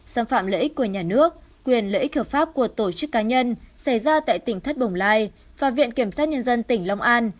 xâm phạm lợi ích của nhà nước quyền lợi ích hợp pháp của tổ chức cá nhân xảy ra tại tỉnh thất bồng lai và viện kiểm sát nhân dân tỉnh long an